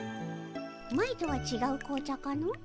前とはちがう紅茶かの？